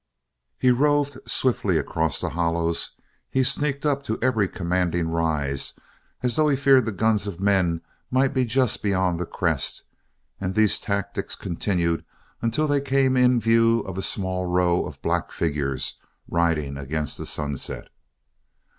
He roved swiftly across the hollows; he sneaked up to every commanding rise as though he feared the guns of men might be just beyond the crest and these tactics continued until they came in view of the small row of black figures riding against the sunset.